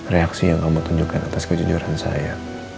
reaksi yang kamu tunjukkan atas kejujuran saya